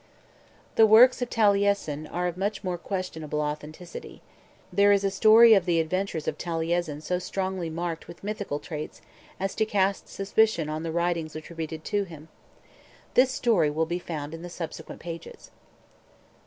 The works of Taliesin are of much more questionable authenticity. There is a story of the adventures of Taliesin so strongly marked with mythical traits as to cast suspicion on the writings attributed to him. This story will be found in the subsequent pages.